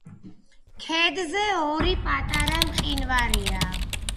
ქედზე ორი პატარა მყინვარია.